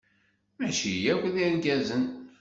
Maci akk d irgazen.